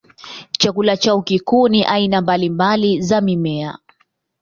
Chakula chao kikuu ni aina mbalimbali za mimea.